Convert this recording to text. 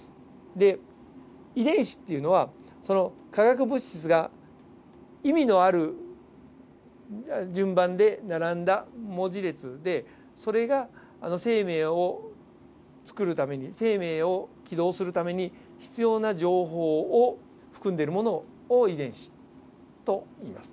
で遺伝子っていうのはその化学物質が意味のある順番で並んだ文字列でそれが生命を作るために生命を起動するために必要な情報を含んでいるものを遺伝子といいます。